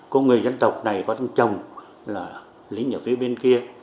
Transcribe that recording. cô người dân tộc này có chồng là lính ở phía bên kia